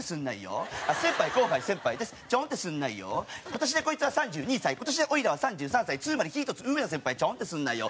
「今年でこいつは３２歳今年でオイラは３３歳」「つまり１つ上の先輩ちょんってすなよ」